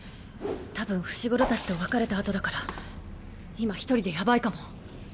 たぶん伏黒たちと別れたあとだから今一人でやばいかも。